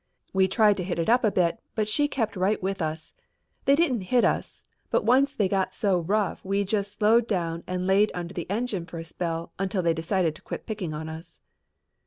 We tried to hit it up a bit, but she kept right up with us. They didn't hit us, but once they got so rough we just slowed down and laid under the engine for a spell until they decided to quit picking on us."